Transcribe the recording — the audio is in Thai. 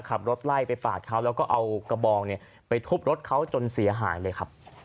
ขับรถไล่ไปปาดเขาแล้วก็เอากระบองไปทุบรถเขาจนเสียหายเลยครับ